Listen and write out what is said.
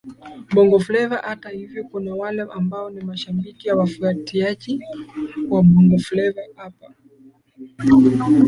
Bongo Fleva Hata hivyo kuna wale ambao ni mashabiki wafuatiaji wa Bongo fleva hapa